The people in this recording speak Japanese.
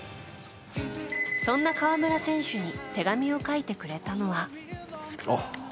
そんな河村選手に手紙を書いてくれたのは。